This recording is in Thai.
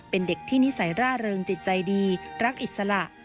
เป็นเด็กที่นิสัยร่าเริงจิตใจดีรักอิสระ